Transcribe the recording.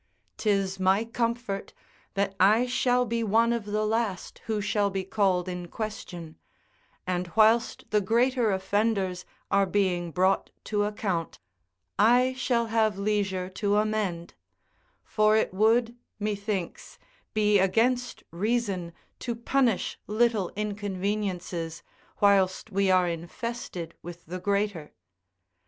'Tis my comfort, that I shall be one of the last who shall be called in question; and whilst the greater offenders are being brought to account, I shall have leisure to amend: for it would, methinks, be against reason to punish little inconveniences, whilst we are infested with the greater.